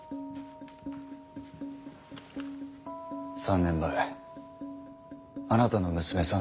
３年前あなたの娘さん